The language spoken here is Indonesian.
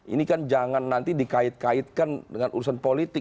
ini kan jangan nanti dikait kaitkan dengan urusan politik